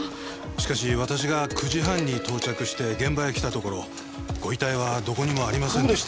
しかし私が９時半に到着して現場へ来たところご遺体はどこにもありませんでした。